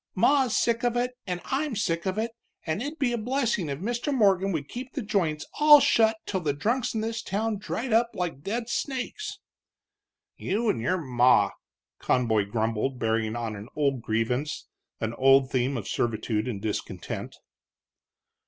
Ma's sick of it, and I'm sick of it, and it'd be a blessin' if Mr. Morgan would keep the joints all shut till the drunks in this town dried up like dead snakes!" "You, and your ma!" Conboy grumbled, bearing on an old grievance, an old theme of servitude and discontent.